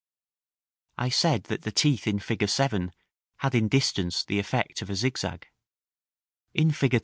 I said that the teeth in fig. 7 had in distance the effect of a zigzag: in fig.